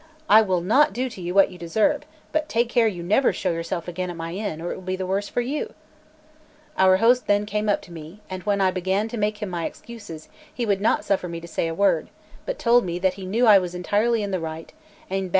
I will not do to you what you deserve; but take care you never show yourself again in my inn, or it will be the worse for you." Our host then came up to me, and when I began to make him my excuses, he would not suffer me to say a word, but told me that he knew I was entirely in the right, and bade me be upon my guard against those men upon my journey.